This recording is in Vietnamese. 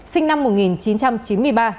sinh năm một nghìn chín trăm chín mươi ba